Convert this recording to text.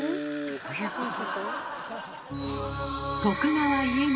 どういうこと？